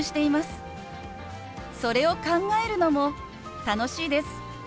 それを考えるのも楽しいです。